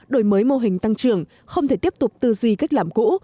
đổi mới mô hình tăng trưởng không thể tiếp tục tư duy cách làm cũ